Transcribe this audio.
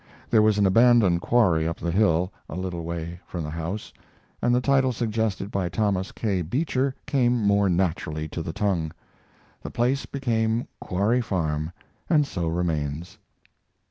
There was an abandoned quarry up the hill, a little way from the house, and the title suggested by Thomas K. Beecher came more naturally to the tongue. The place became Quarry Farm, and so remains.